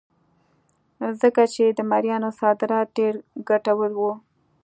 ځکه چې د مریانو صادرات ډېر ګټور وو.